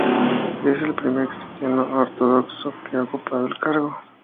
Él es el primer Cristiano ortodoxo que ha ocupado el cargo.